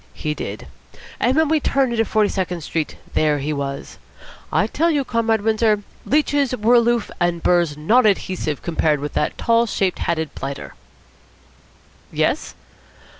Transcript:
He did. And when we turned into Forty second Street, there he was. I tell you, Comrade Windsor, leeches were aloof, and burrs non adhesive compared with that tall shaped hatted blighter." "Yes?"